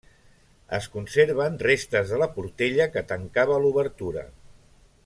Es conserven restes de la portella que tancava l'obertura.